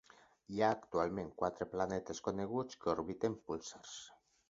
Hi ha actualment quatre planetes coneguts que orbiten púlsars.